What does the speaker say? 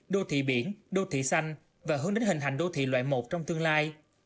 đô thị biển đô thị xanh và hướng đến hình hành đô thị loại một trong tương lai